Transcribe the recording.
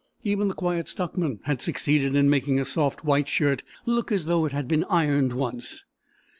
Even the Quiet Stockman had succeeded in making a soft white shirt "look as though it had been ironed once."